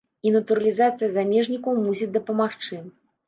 І натуралізацыя замежнікаў мусіць дапамагчы.